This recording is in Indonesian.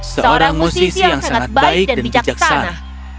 seorang musisi yang sangat baik dan bijaksana